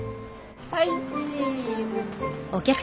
はいチーズ！